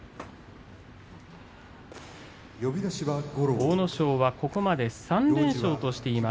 阿武咲はここまで３連勝としています。